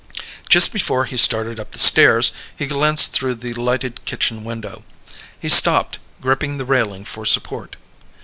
Just before he started up the stairs he glanced through the lighted kitchen window. He stopped, gripping the railing for support.